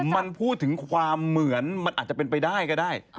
มันพูดถึงความเหมือนมันอาจจะเป็นไปได้ก็ได้